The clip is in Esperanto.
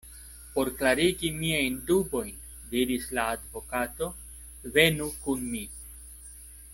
Por klarigi miajn dubojn, diris la advokato, venu kun mi.